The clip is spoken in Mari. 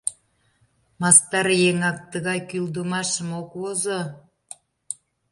Мастар еҥак тыгай кӱлдымашым ок возо.